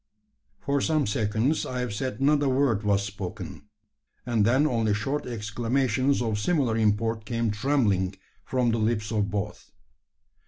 For some seconds I have said not a word was spoken; and then only short exclamations of similar import came trembling from the lips of both.